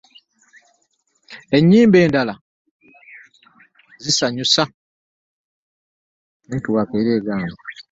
Ennyimba endala zisanyusa.